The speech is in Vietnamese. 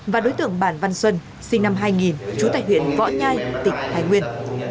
và đối tượng bản văn xuân sinh năm hai nghìn trú tại huyện võ nhai tỉnh thái nguyên